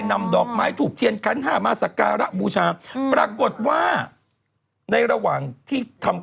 นำดอกไม้ถูกเทียนแห่ขอโชคขอราบกัน